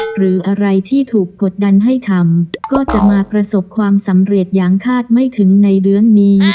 หรืออะไรที่ถูกกดดันให้ทำก็จะมาประสบความสำเร็จอย่างคาดไม่ถึงในเรื่องนี้